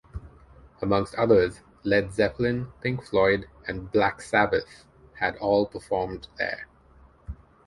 Amongst others, Led Zeppelin, Pink Floyd and Black Sabbath had all performed there.